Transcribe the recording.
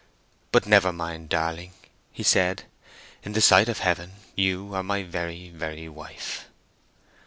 "But never mind, darling," he said; "in the sight of Heaven you are my very, very wife!"